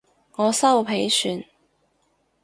我修皮算